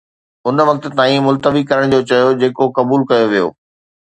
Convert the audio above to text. ان وقت تائين ملتوي ڪرڻ جو چيو جيڪو قبول ڪيو ويو